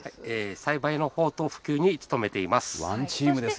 栽培の方法普及に努めています。